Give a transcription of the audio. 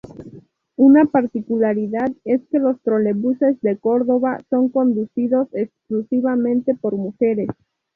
Una particularidad es que los trolebuses de Córdoba son conducidos exclusivamente por mujeres.